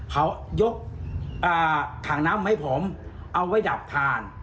เขายกถังน้ำให้ผมเอาไว้ดับทาน